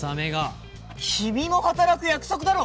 君も働く約束だろ！